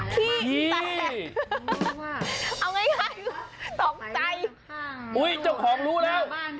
ที่แตกเอาง่ายตกใจอุ๊ยเจ้าของรู้แล้ว